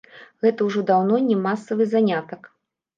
Гэта ўжо даўно не масавы занятак.